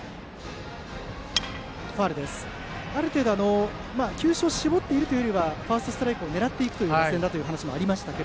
ある程度、球種を絞っていくというよりはファーストストライクを狙っていくということだと思いますが。